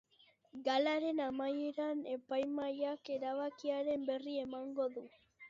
Galaren amaieran, epaimahaiak erabakiaren berri emango du.